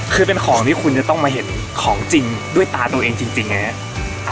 คือเป็นของที่คุณจะต้องมาเห็นของจริงด้วยตาตัวเองจริงนะครับ